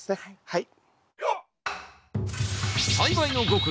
はい。